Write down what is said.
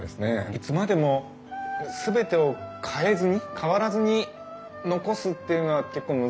いつまでも全てを変えずに変わらずに残すっていうのは結構難しいと思うんですよね。